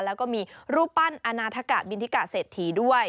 แล้วก็มีรูปปั้นอนาธกะบินทิกะเศรษฐีด้วย